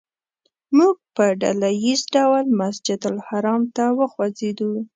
موږ په ډله ییز ډول مسجدالحرام ته وخوځېدو.